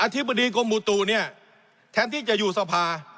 ธิบดีกรมบุตุเนี่ยแทนที่จะอยู่สภา